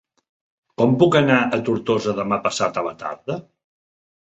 Com puc anar a Tortosa demà passat a la tarda?